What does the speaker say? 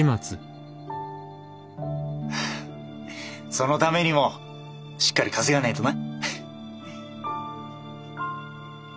そのためにもしっかり稼がねえとな。